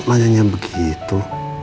tuh tanyanya begitu